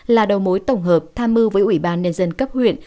là đầu mối tổng hợp tham mưu với ủy ban nhân dân cấp huyện